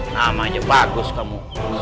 namanya bagus kamu